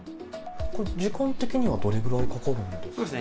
これ、時間的にはどれぐらいかかるんですか。